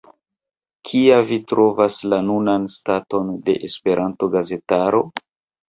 Kia vi trovas la nunan staton de la Esperanto-gazetaro?